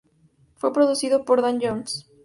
Fue producido por Dan Jones.